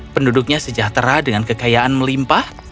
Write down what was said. penduduknya sejahtera dengan kekayaan melimpah